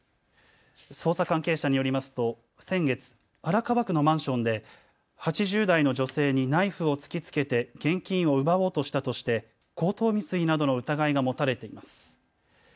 捜査関係者によりますと先月、荒川区のマンションで８０代の女性にナイフを突きつけて現金を奪おうとしたとして強盗未遂などの疑いが持たれています。